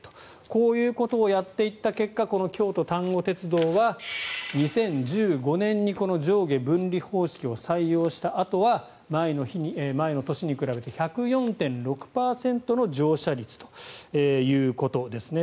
こういったことをやっていった結果この京都丹後鉄道は２０１５年に上下分離方式を採用したあとは前の年に比べて１０４．６％の乗車率ということですね。